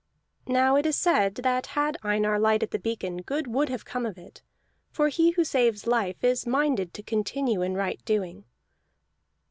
Now it is said that had Einar lighted the beacon, good would have come of it; for he who saves life is minded to continue in right doing.